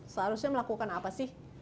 seharusnya melakukan apa sih